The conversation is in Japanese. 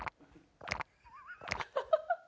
ハハハハ！